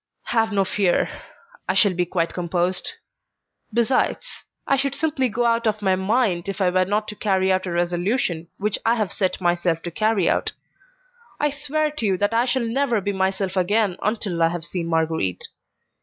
"Have no fear; I shall be quite composed. Besides, I should simply go out of my mind if I were not to carry out a resolution which I have set myself to carry out. I swear to you that I shall never be myself again until I have seen Marguerite.